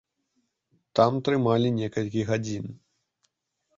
Там трымалі некалькі гадзін.